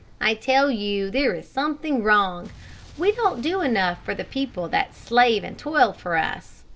I tell you there is something wrong. We don't do enough for the people that slave and toil for us.